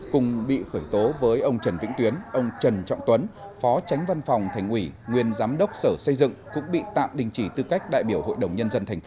cùng bị khởi tố với ông trần vĩnh tuyến ông trần trọng tuấn phó tránh văn phòng thành ủy nguyên giám đốc sở xây dựng cũng bị tạm đình chỉ tư cách đại biểu hội đồng nhân dân tp hcm